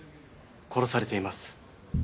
殺されています。